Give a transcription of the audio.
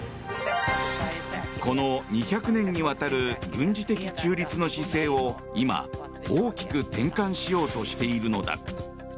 この２００年にわたる軍事的中立の姿勢を今、大きく転換しようとしているのだ。